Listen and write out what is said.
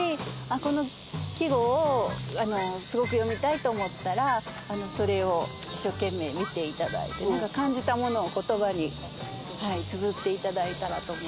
この季語をすごく詠みたいと思ったらそれを一生懸命見て頂いてなんか感じたものを言葉につづって頂いたらと思います。